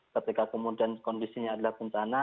ketika kemudian kondisinya adalah bencana